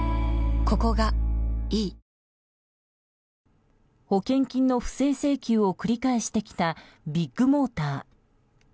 ぷはーっ保険金の不正請求を繰り返してきたビッグモーター。